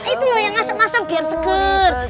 itu loh yang asem asem biar seger